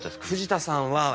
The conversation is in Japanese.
藤田さんは。